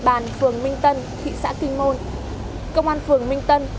công an phường minh tân thị xã kinh môn thị xã kinh môn thị xã kinh môn